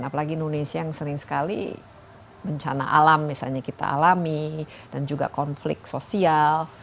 apalagi indonesia yang sering sekali bencana alam misalnya kita alami dan juga konflik sosial